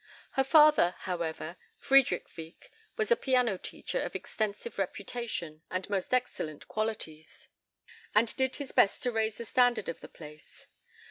Her father, however, Friedrich Wieck, was a piano teacher of extensive reputation and most excellent qualities, and did his best to raise the standard of the place.